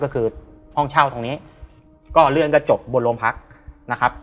ก็คือห้องเช่าตรงนี้ก็เรื่องก็จบบนโรงพักนะครับ